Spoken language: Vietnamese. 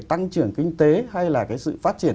tăng trưởng kinh tế hay là cái sự phát triển